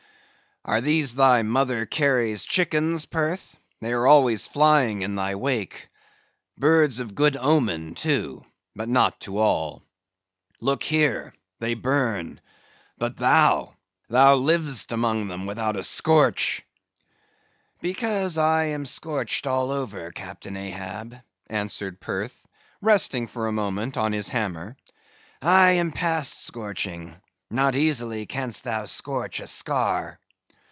"Are these thy Mother Carey's chickens, Perth? they are always flying in thy wake; birds of good omen, too, but not to all;—look here, they burn; but thou—thou liv'st among them without a scorch." "Because I am scorched all over, Captain Ahab," answered Perth, resting for a moment on his hammer; "I am past scorching; not easily can'st thou scorch a scar."